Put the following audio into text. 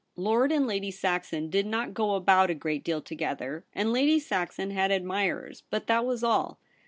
Lord and Lady Saxon did not go about a great deal together, and Lady Saxon had admirers, but that was all.